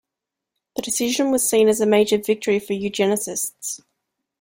The decision was seen as a major victory for eugenicists.